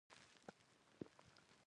قرغې اوبه ولې پاکې دي؟